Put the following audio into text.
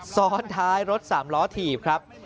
ซ้อนท้ายรถสามล้อถีบครับ